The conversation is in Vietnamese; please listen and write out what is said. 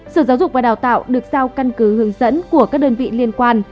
sở giáo dục và đào tạo được giao căn cứ hướng dẫn của các đơn vị liên quan